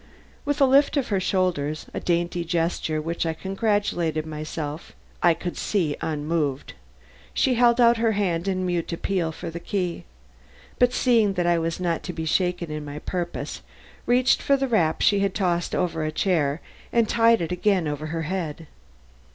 With a lift of her shoulders a dainty gesture which I congratulated myself I could see unmoved she held out her hand in a mute appeal for the key, but seeing that I was not to be shaken in my purpose, reached for the wrap she had tossed on a chair and tied it again over her head.